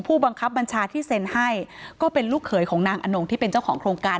ผู้บังคับบัญชาที่เซ็นให้ก็เป็นลูกเขยของนางอนงที่เป็นเจ้าของโครงการ